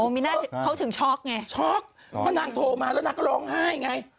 มีหน้าเขาถึงช็อกไงช็อกเพราะนางโทรมาแล้วนางก็ร้องไห้ไง